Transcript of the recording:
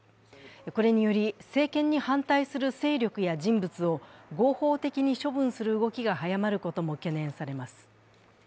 これにより、政権に反対する勢力や人物を合法的に処分する動きが早まることも懸念されます。